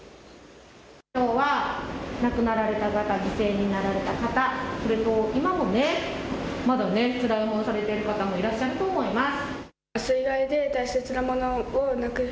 きょうは亡くなられた方、犠牲になられた方、それと今もね、まだね、つらい思いをされている方もいらっしゃると思います。